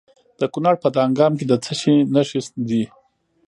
د کونړ په دانګام کې د څه شي نښې دي؟